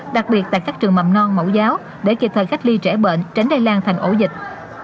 đặc biệt tại các trường mầm non mẫu giáo để kịp thời cách ly trẻ bệnh tránh lây lan thành ổ dịch